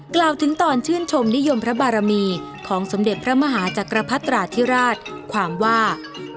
กล่าวถึงตอนชื่นชมนิยมพระบารมีของสมเด็จพระมหาจักรพรรตราธิราชความว่า